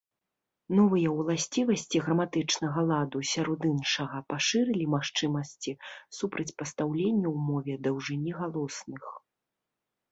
Новыя ўласцівасці граматычнага ладу, сярод іншага, пашырылі магчымасці супрацьпастаўлення ў мове даўжыні галосных.